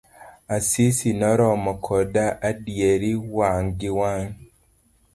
Asis noromo koda adieri wang' gi wang'.